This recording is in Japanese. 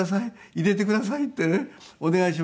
入れてくださいってねお願いしました。